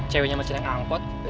ceweknya macet yang angkot